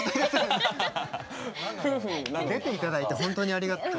出て頂いて本当にありがとう。